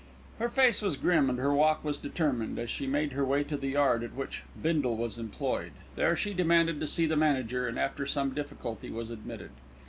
Her face was grim and her walk was determined, as she made her way to the yard at which Bindle was employed. There she demanded to see the manager and, after some difficulty, was admitted.